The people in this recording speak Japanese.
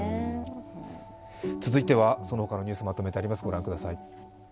続いては、その他のニュースをまとめてあります。